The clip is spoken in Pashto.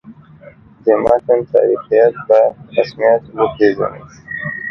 د متن تاریخیت به په رسمیت وپېژنو.